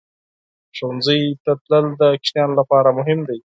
ښوونځي ته تلل د ماشومانو لپاره مهم دي.